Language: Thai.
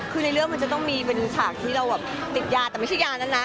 คือในเรื่องมันจะต้องมีเป็นฉากที่เราแบบติดยาแต่ไม่ใช่ยานั้นนะ